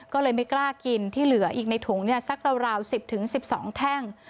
ก็เลยไม่กล้ากินที่เหลืออีกในถุงสักราว๑๐๑๒แท่ง